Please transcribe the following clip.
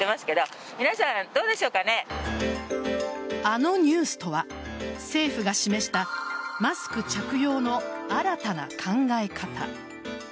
あのニュースとは政府が示したマスク着用の新たな考え方。